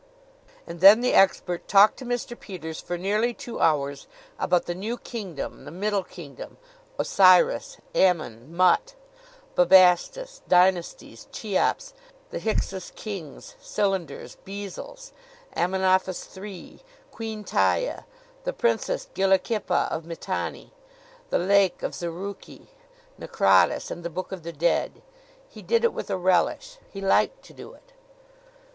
And then the expert talked to Mr. Peters for nearly two hours about the New Kingdom, the Middle Kingdom, Osiris, Ammon, Mut, Bubastis, dynasties, Cheops, the Hyksos kings, cylinders, bezels, Amenophis III, Queen Taia, the Princess Gilukhipa of Mitanni, the lake of Zarukhe, Naucratis, and the Book of the Dead. He did it with a relish. He liked to do it.